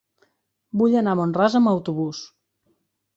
Vull anar a Mont-ras amb autobús.